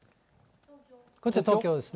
こちら東京ですね。